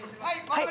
はい。